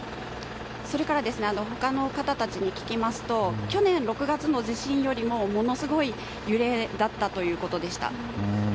それから他の方たちに聞きますと去年６月の地震よりもものすごい揺れだったということでした。